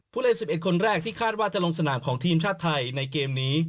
ผู้เล่น๑๑คนแรกที่คาดว่าจะลงสนามของทีมชาติไทยในเกมนี้